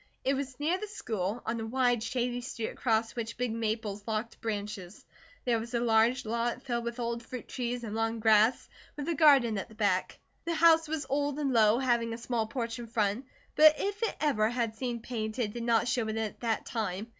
It was near the school, on a wide shady street across which big maples locked branches. There was a large lot filled with old fruit trees and long grass, with a garden at the back. The house was old and low, having a small porch in front, but if it ever had seen paint, it did not show it at that time.